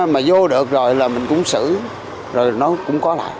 mà vô được rồi là mình cũng xử rồi nó cũng có lại